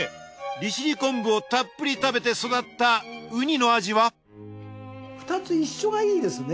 利尻昆布をたっぷり食べて育った２つ一緒がいいですね